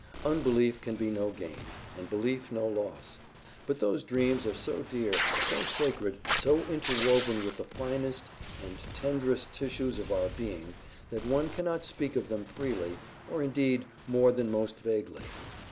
Unbelief can be no gain, and belief no loss. But those dreams are so dear, so sacred, so interwoven with the finest and tenderest tissues of our being that one cannot speak of them freely, or indeed more than most vaguely.